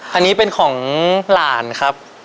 อันนี้เป็นของหลานครับ